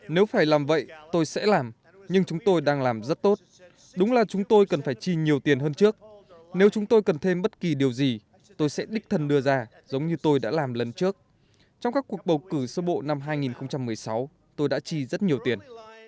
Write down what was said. nếu phải làm vậy tôi sẽ làm nhưng chúng tôi đang làm rất tốt đúng là chúng tôi cần phải chi nhiều tiền hơn trước nếu chúng tôi cần thêm bất kỳ điều gì tôi sẽ đích thần đưa ra giống như tôi đã làm lần trước trong các cuộc bầu cử sơ bộ năm hai nghìn một mươi sáu tôi đã chi rất nhiều tiền